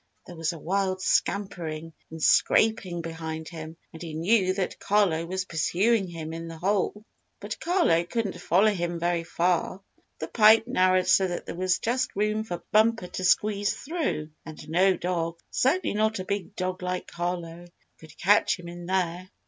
There was a wild scampering and scraping behind him, and he knew that Carlo was pursuing him in the hole. But Carlo couldn't follow him very far. The pipe narrowed so that there was just room for Bumper to squeeze through, and no dog, certainly not a big dog like Carlo, could catch him in there.